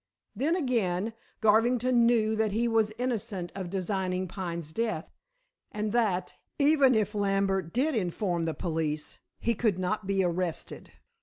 Then, again, Garvington knew that he was innocent of designing Pine's death, and that, even if Lambert did inform the police, he could not be arrested.